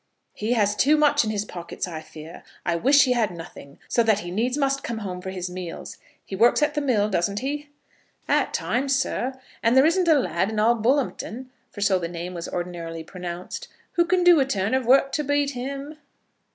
"He has too much in his pockets, I fear. I wish he had nothing, so that he needs must come home for his meals. He works at the mill, doesn't he?" "At times, sir; and there isn't a lad in all Bullumpton," for so the name was ordinarily pronounced, "who can do a turn of work to beat him."